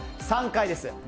３回です。